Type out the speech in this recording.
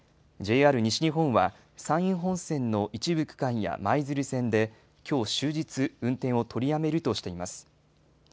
ＪＲ西日本は、山陰本線の一部区間や舞鶴線で、きょう終日、運転を取りやめるとしています。